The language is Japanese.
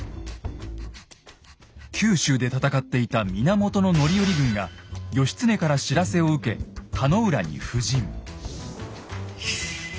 九州で戦っていた源範頼軍が義経から知らせを受け田野浦に布陣。